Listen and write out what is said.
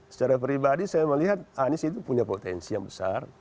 secara pribadi saya melihat anies itu punya potensi yang besar